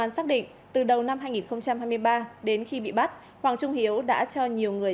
xác định từ đầu năm hai nghìn hai mươi ba đến khi bị bắt hoàng trung hiếu đã cho nhiều người